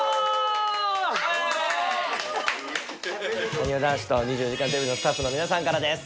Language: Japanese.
・なにわ男子と『２４時間テレビ』のスタッフの皆さんからです。